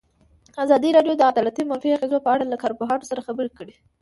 ازادي راډیو د عدالت د منفي اغېزو په اړه له کارپوهانو سره خبرې کړي.